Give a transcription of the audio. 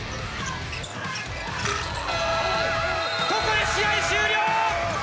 ここで試合終了！